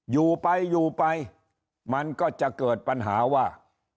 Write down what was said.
อยู่ไปอยู่ไปมันก็จะเกิดปัญหาว่า